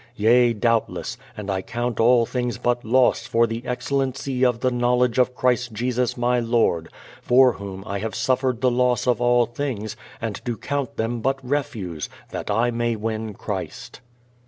"Yea doubtless, and I count all things but loss for the excellency of the knowledge of Christ Jesus my Lord: for whom I have suffered the loss of all things, and do count them but refuse, that I may win Christ."